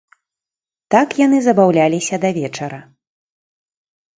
Так яны забаўляліся да вечара.